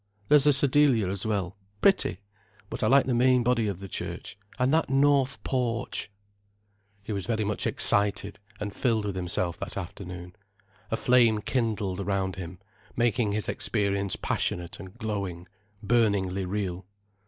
"There's a sedilia as well—pretty. But I like the main body of the church—and that north porch—" He was very much excited and filled with himself that afternoon. A flame kindled round him, making his experience passionate and glowing, burningly real.